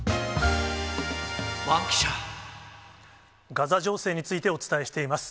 ガザ情勢についてお伝えしています。